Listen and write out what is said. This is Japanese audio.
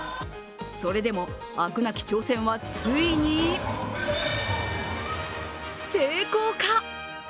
それでも飽くなき挑戦はついに成功か？